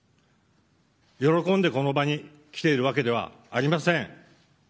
喜んで、この場に来ているわけではありません。